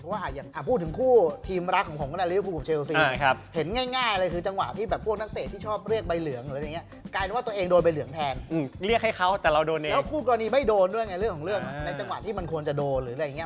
เพราะว่าอย่างพูดถึงคู่ทีมรักของผมก็ได้เรียกว่าคู่กบเชลซี